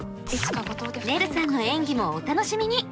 ねるさんの演技もお楽しみに！